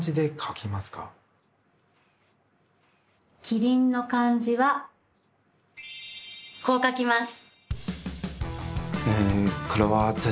「キリン」の漢字はこう書きます。